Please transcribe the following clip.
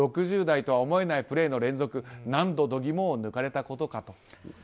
６０代とは思えないプレーの連続何度、度肝を抜かれたことかと。